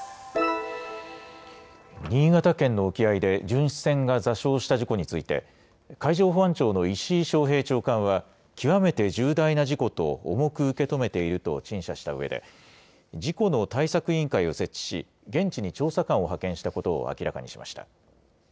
新潟県の沖合で巡視船が座礁した事故について、海上保安庁の石井昌平長官は、極めて重大な事故と、重く受け止めていると陳謝したうえで、事故の対策委員会を設置し、現地に調査官を派遣したことを明らかにしました。